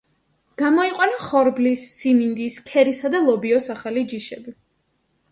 გამოიყვანა ხორბლის, სიმინდის, ქერისა და ლობიოს ახალი ჯიშები.